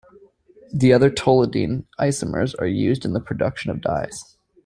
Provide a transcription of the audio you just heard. The other toluidine isomers are used in the production of dyes.